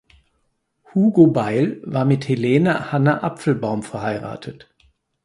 Hugo Bail war mit Helene Hanna Apfelbaum verheiratet.